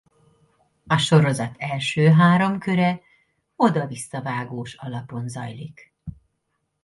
A sorozat első három köre oda-visszavágós alapon zajlik.